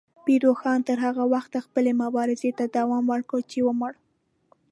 پیر روښان تر هغه وخته خپلې مبارزې ته دوام ورکړ چې ومړ.